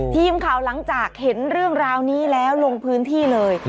ทีมข่าวหลังจากเห็นเรื่องราวนี้แล้วลงพื้นที่เลย